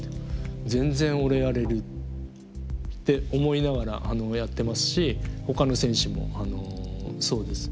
全然俺やれる」って思いながらやってますしほかの選手もそうです。